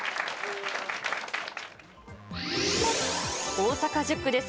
大阪１０区です。